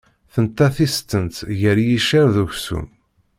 Tenta tistent gar yiccer d uksum.